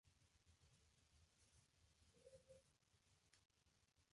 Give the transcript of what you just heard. Los profesionales, herreros y carpinteros, facilitaban material y mano de obra.